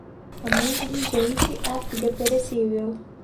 A mãe diligente, a filha perecível.